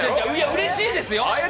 うれしいですよ。